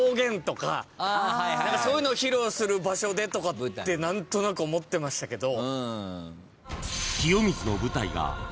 そういうのを披露する場所でとかって何となく思ってましたけど。